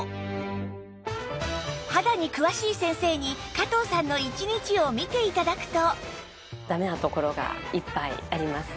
肌に詳しい先生に加藤さんの一日を見て頂くと